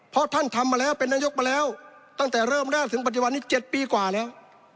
เพราะท่านทำมาแล้วเป็นนายกมาแล้วตั้งแต่เริ่มแรกถึงปัจจุบันนี้๗ปีกว่าแล้ว